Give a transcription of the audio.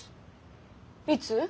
いつ？